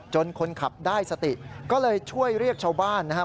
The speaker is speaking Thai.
คนขับได้สติก็เลยช่วยเรียกชาวบ้านนะครับ